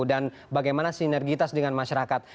dan bagaimana sinergitas dengan masyarakat